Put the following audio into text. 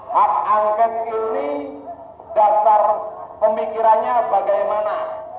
hak angket ini dasar pemikirannya bagaimana